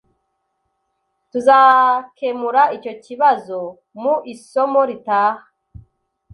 Tuzakemura icyo kibazo mu isomo ritaha.